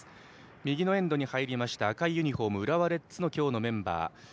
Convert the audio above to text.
右のエンドに入りました赤いユニフォームの浦和レッズの今日のメンバー。